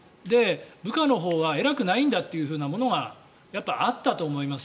部下のほうは偉くないんだというものがやっぱりあったと思います。